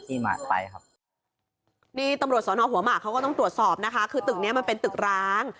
ที่หมายครับก็ไปนี่ตำโลยสนหัวหมาครับต้องตรวจสอบนะคะคือตึกนี้คุณมันเป็นตึกร้าง